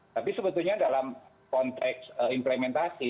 tapi sebetulnya dalam konteks implementasi